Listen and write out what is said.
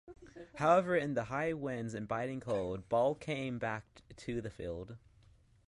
However in the "high winds and biting cold" Ball came back to the field.